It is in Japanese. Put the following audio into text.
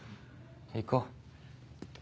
行こう。